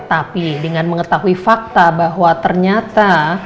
tapi dengan mengetahui fakta bahwa ternyata